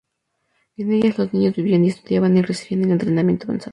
En ellas los niños vivían, estudiaban y recibían el entrenamiento avanzado.